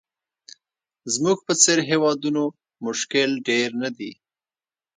زموږ په څېر هېوادونو مشکل ډېر نه دي.